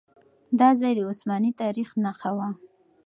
دا ځای د عثماني تاريخ نښه وه.